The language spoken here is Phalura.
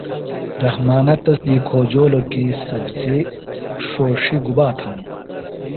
رحمانہ تس دی کھوجولوۡ کی سبزِیہ ݜوݜیۡ گُبا تھانوۡ؟